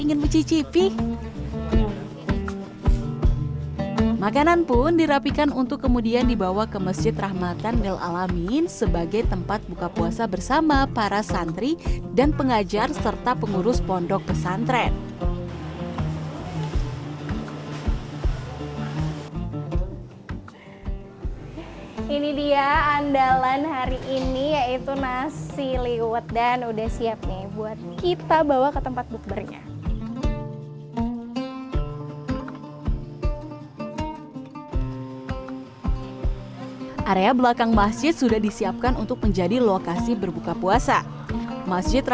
kemudian proses pengupusan yang kedua dilakukan dalam kastrol alat masak khusus yang digunakan untuk memasak nasi liwet